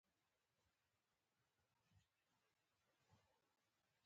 او د تيمم لپاره يې استنجا شروع کړه.